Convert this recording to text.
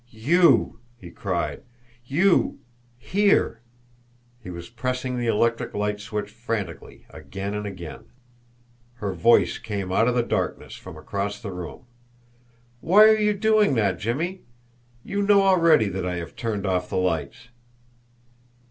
"You!" he cried. "You here!" He was pressing the electric light switch frantically, again and again. Her voice came out of the darkness from across the room: "Why are you doing that, Jimmie? You know already that I have turned off the lights."